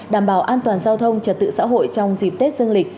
đảm bảo an toàn giao thông trật tự xã hội trong dịp tết dương lịch